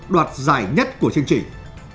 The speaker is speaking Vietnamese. đoạt giải nhất của chương trình